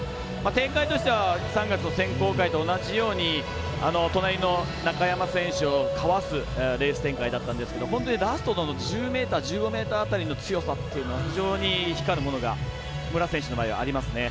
展開としては３月の選考会と同じように隣の中山選手をかわすレース展開だったんですけど本当にラストの１０ｍ、１５ｍ辺りの強さは非常に光るものが武良選手の場合はありますね。